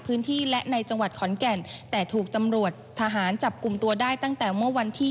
พื้นที่และในจังหวัดขอนแก่นแต่ถูกตำรวจทหารจับกลุ่มตัวได้ตั้งแต่เมื่อวันที่